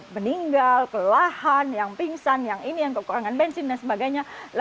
meninggal kelahan yang pingsan yang ini yang kekurangan bensin dan sebagainya